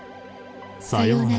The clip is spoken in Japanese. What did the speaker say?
さようなら。